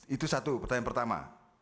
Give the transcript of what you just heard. itu satu pertanyaan pertama